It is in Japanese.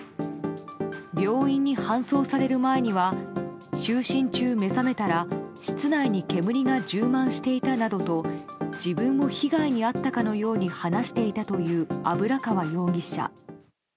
病院に搬送される前には就寝中、目覚めたら室内に煙が充満していたなどと自分も被害に遭ったかのように話していたという油川容疑者。